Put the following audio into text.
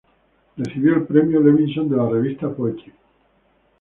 Recibió el Premio Levinson de la revista "Poetry".